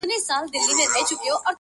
شمع چي لمبه نه سي رڼا نه وي!